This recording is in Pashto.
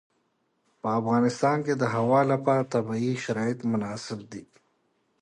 په افغانستان کې د هوا لپاره طبیعي شرایط مناسب دي.